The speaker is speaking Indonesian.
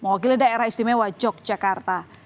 mewakili daerah istimewa yogyakarta